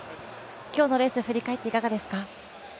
今日のレース、振り返ってどうですか？